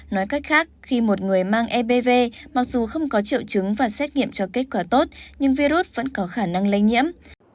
nói cách khác khi một người mang ebv mặc dù không có triệu chứng và xét nghiệm cho kết quả tốt nhưng virus vẫn có khả năng lây nhiễm